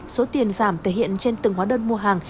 số tiền giảm thể hiện trên từng hóa đơn mua hàng